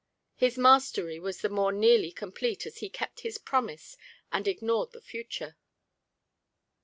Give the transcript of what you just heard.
His mastery was the more nearly complete as he kept his promise and ignored the future.